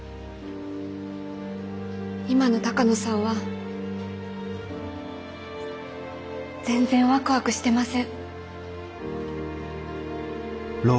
今の鷹野さんは全然ワクワクしてません。